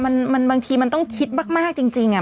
บางทีมันต้องคิดมากจริง